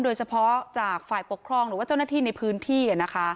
โดยเฉพาะจากฝ่ายปกครองหรือว่าเจ้าหน้าที่ในพื้นที่